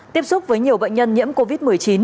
tiếp xúc với nhiều bệnh nhân nhiễm covid một mươi chín